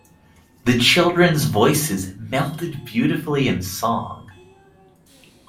The children’s voices melded beautifully in song.